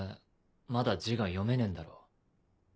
まだ字が読めねえんだろ？